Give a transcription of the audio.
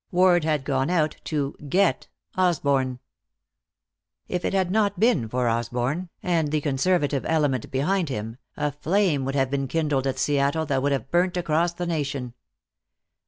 Word had gone out to "get" Osborne. If it had not been for Osborne, and the conservative element behind him, a flame would have been kindled at Seattle that would have burnt across the nation.